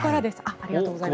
ありがとうございます。